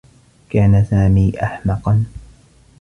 كان سامي أحمقا.